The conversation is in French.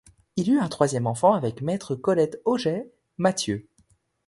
Il eut un troisième enfant avec Maître Colette Auger, Mathieu.